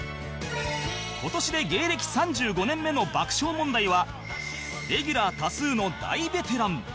今年で芸歴３５年目の爆笑問題はレギュラー多数の大ベテラン